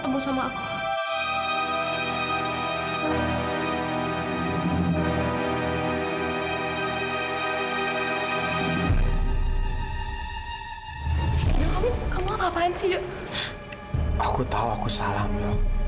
kebetulan emang aku tuh klarir agama